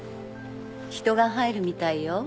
人が入るみたいよ